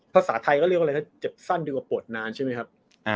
ภาษาไทยก็เรียกว่าอะไรถ้าเจ็บสั้นดีกว่าปวดนานใช่ไหมครับ